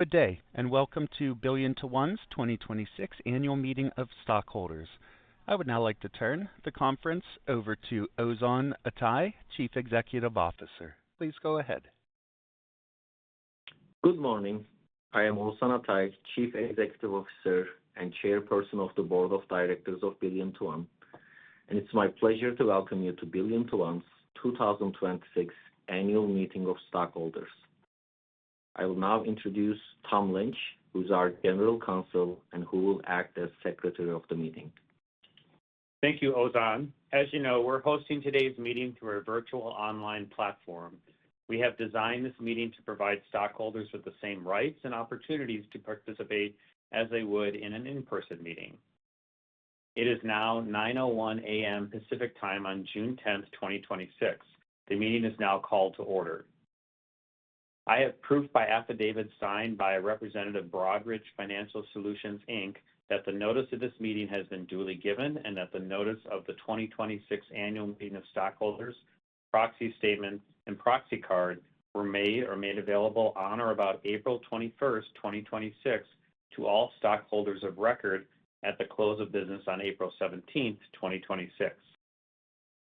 Good day, welcome to BillionToOne's 2026 Annual Meeting of Stockholders. I would now like to turn the conference over to Oguzhan Atay, chief executive officer. Please go ahead. Good morning. I am Oguzhan Atay, Chief Executive Officer and Chairperson of the Board of Directors of BillionToOne, it's my pleasure to welcome you to BillionToOne's 2026 annual meeting of stockholders. I will now introduce Tom Lynch, who's our General Counsel, who will act as secretary of the meeting. Thank you, Ozan. As you know, we're hosting today's meeting through our virtual online platform. We have designed this meeting to provide stockholders with the same rights and opportunities to participate as they would in an in-person meeting. It is now 9:01 A.M. Pacific Time on June 10th, 2026. The meeting is now called to order. I have proof by affidavit, signed by a representative of Broadridge Financial Solutions, Inc., that the notice of this meeting has been duly given and that the notice of the 2026 annual meeting of stockholders, proxy statement, and proxy card were made or made available on or about April 21st, 2026, to all stockholders of record at the close of business on April 17th, 2026.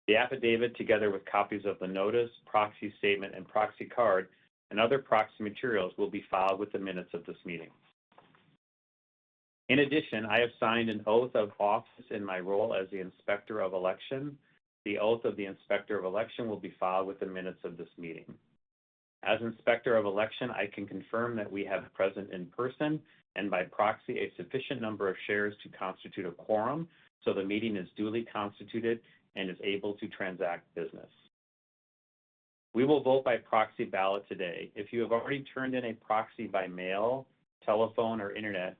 The affidavit, together with copies of the notice, proxy statement, and proxy card, and other proxy materials, will be filed with the minutes of this meeting. In addition, I have signed an oath of office in my role as the inspector of election. The oath of the inspector of election will be filed with the minutes of this meeting. As inspector of election, I can confirm that we have present in person and by proxy a sufficient number of shares to constitute a quorum, the meeting is duly constituted and is able to transact business. We will vote by proxy ballot today. If you have already turned in a proxy by mail, telephone or internet,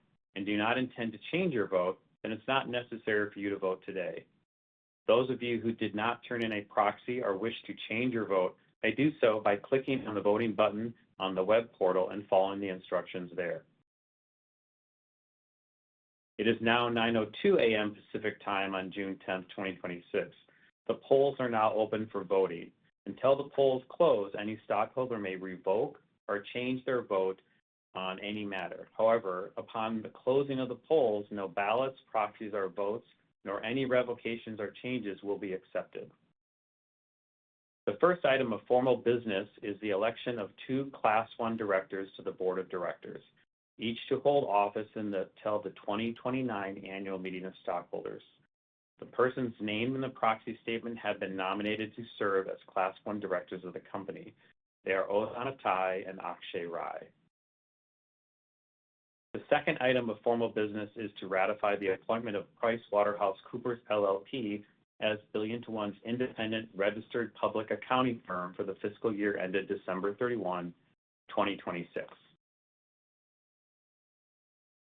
do not intend to change your vote, it's not necessary for you to vote today. Those of you who did not turn in a proxy or wish to change your vote may do so by clicking on the voting button on the web portal and following the instructions there. It is now 9:02 A.M. Pacific Time on June 10th, 2026. The polls are now open for voting. Until the polls close, any stockholder may revoke or change their vote on any matter. However, upon the closing of the polls, no ballots, proxies, or votes, nor any revocations or changes will be accepted. The first item of formal business is the election of 2 Class I directors to the board of directors, each to hold office until the 2029 annual meeting of stockholders. The persons named in the proxy statement have been nominated to serve as Class I directors of the company. They are Oguzhan Atay and Akshay Rai. The second item of formal business is to ratify the appointment of PricewaterhouseCoopers LLP as BillionToOne's independent registered public accounting firm for the fiscal year ended December 31, 2026.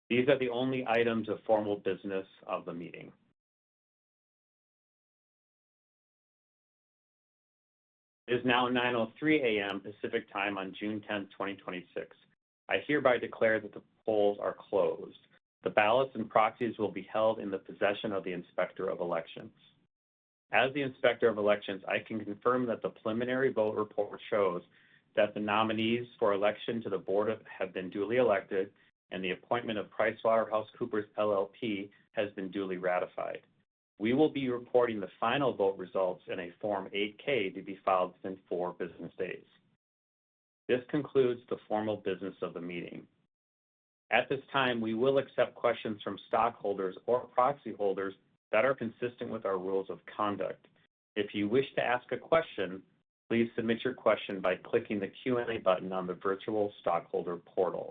These are the only items of formal business of the meeting. It is now 9:03 A.M. Pacific Time on June 10th, 2026. I hereby declare that the polls are closed. The ballots and proxies will be held in the possession of the inspector of elections. As the inspector of elections, I can confirm that the preliminary vote report shows that the nominees for election to the board have been duly elected and the appointment of PricewaterhouseCoopers LLP has been duly ratified. We will be reporting the final vote results in a Form 8-K to be filed within four business days. This concludes the formal business of the meeting. At this time, we will accept questions from stockholders or proxy holders that are consistent with our rules of conduct. If you wish to ask a question, please submit your question by clicking the Q&A button on the virtual stockholder portal.